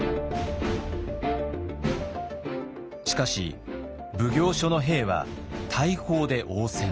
しかし奉行所の兵は大砲で応戦。